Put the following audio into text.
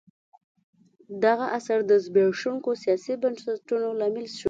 دغه عصر د زبېښونکو سیاسي بنسټونو لامل شو.